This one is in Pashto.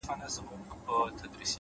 نظم ګډوډي کمزورې کوي’